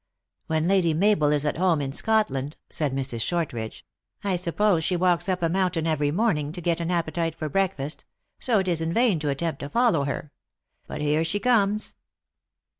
" When Lady Mabel is at home in Scotland," said Mrs. Shortridge, " I suppose she walks up a mountain every morning, to get an appetite for breakfast. So it is in vain to attempt to follow her. But here she comes."